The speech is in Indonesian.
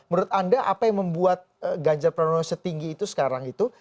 menurut anda apa yang membuat ganjar pranowo setinggi itu sekarang itu